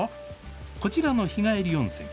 こちらの日帰り温泉。